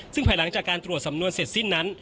ซึ่งภายหลังจากการตรวจสำนวนเสร็จสิ้นนั้น